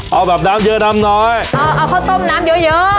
เอาแบบน้ำเยอะน้ำน้อยเอาข้าวต้มน้ำเยอะเยอะ